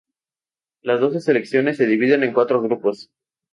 Las doce selecciones se dividen en cuatro grupos.